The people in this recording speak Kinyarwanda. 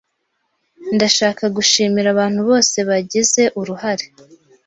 Ndashaka gushimira abantu bose bagize uruhare.